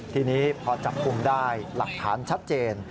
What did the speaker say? ทีนี้พอจับกลุ่มได้หลักฐานชัดเจน